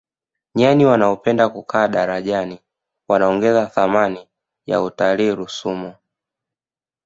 nyani wanaopenda kukaa darajani wanaongeza thamani ya utalii rusumo